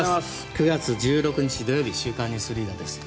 ９月１６日、土曜日「週刊ニュースリーダー」です。